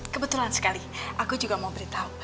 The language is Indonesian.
kebetulan sekali aku juga mau beritahu